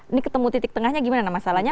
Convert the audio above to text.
ini ketemu titik tengahnya gimana masalahnya